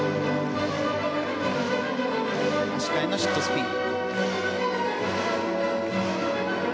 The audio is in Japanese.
足換えシットスピン。